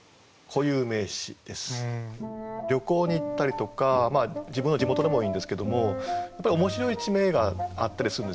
旅行に行ったりとか自分の地元でもいいんですけどもやっぱり面白い地名があったりするんですよね。